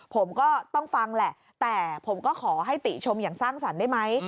ผมก็ต้องฟังแหละแต่ผมก็ขอให้ติชมอย่างสร้างสรรค์ได้ไหม